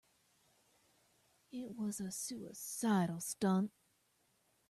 It was a suicidal stunt.